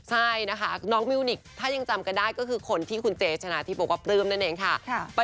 ใช่นะคะน้องมิวนิกถ้ายังจำกันได้ก็คือคนที่คุณเจชนะทิพย์บอกว่าปลื้มนั่นเองค่ะ